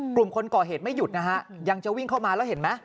กลุ่มคนก่อเหตุไม่หยุดนะฮะยังจะวิ่งเข้ามาแล้วเห็นไหม